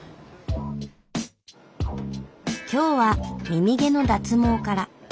今日は耳毛の脱毛から。